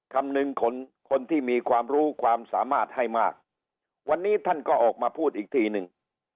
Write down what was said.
คำนึงคนคนที่มีความรู้ความสามารถให้มากวันนี้ท่านก็ออกมาพูดอีกทีหนึ่ง